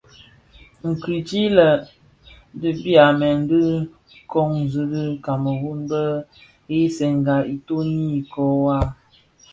Kidhilè, bi byamèn bi duňzi i Kameru bë ghèsènga itoni ikōō waa.